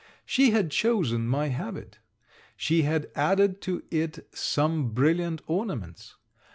She had chosen my habit. She had added to it some brilliant ornaments.